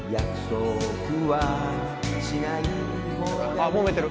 あっもめてる。